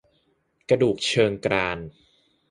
กระดูกเชิงกราน